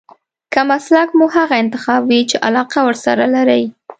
که مسلک مو هغه انتخاب وي چې علاقه ورسره لرئ.